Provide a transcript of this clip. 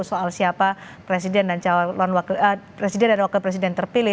soal siapa presiden dan wakil presiden terpilih